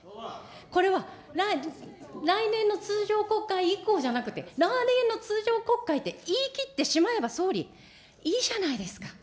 これは来年の通常国会以降じゃなくて、来年の通常国会って言い切ってしまえば、総理、いいじゃないですか。